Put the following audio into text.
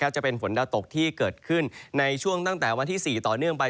จะเป็นฝนดาวตกที่เกิดขึ้นในช่วงตั้งแต่วันที่๔ต่อเนื่องไป